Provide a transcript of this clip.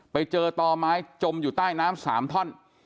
ไปเจอต่อไม้จมอยู่ใต้น้ำ๓ท่อน